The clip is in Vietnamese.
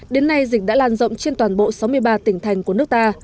đến nay dịch đã lan rộng trên toàn bộ sáu mươi ba tỉnh thành của nước ta